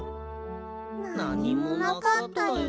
なにもなかったよね。